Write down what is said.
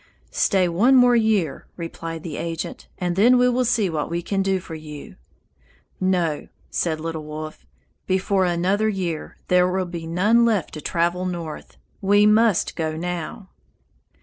"Stay one more year," replied the agent, "and then we will see what we can do for you." "No," said Little Wolf. "Before another year there will be none left to travel north. We must go now."